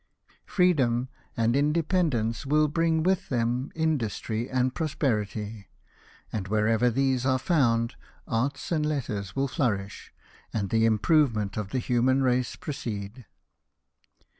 Freedom and independence wiU bring with them 278 LIFE OF NELSON. industry and prosperity ; and wherever these are found, arts and letters will flourisli, and the improve ment of the human race proceed.